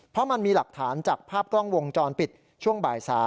เพราะมันมีหลักฐานจากภาพกล้องวงจรปิดช่วงบ่าย๓